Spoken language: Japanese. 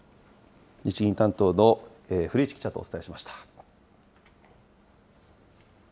日銀担当の古市記者とお伝えしました。